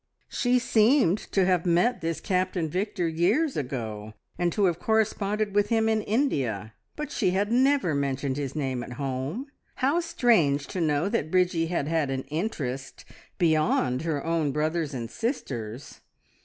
She seemed to have met this Captain Victor years ago, and to have corresponded with him in India, but she had never mentioned his name at home. How strange to know that Bridgie had had an interest beyond her own brothers and sisters!